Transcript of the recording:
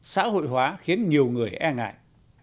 xã hội hóa khiến nhiều người e ngại